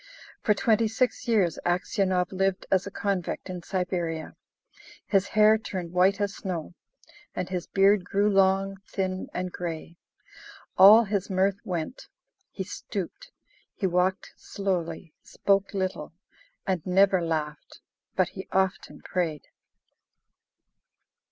For twenty six years Aksionov lived as a convict in Siberia. His hair turned white as snow, and his beard grew long, thin, and grey. All his mirth went; he stooped; he walked slowly, spoke little, and never laughed, but he often prayed.